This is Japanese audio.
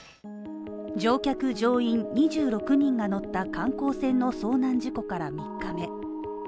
乗客乗員２６人が乗った観光船の遭難事故から３日目。